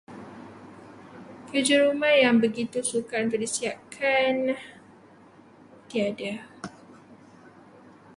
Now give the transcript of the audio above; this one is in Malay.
Kerja rumah yang begitu sukar disiapkan, tiada.